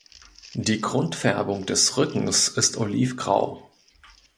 Die Grundfärbung des Rückens ist olivgrau.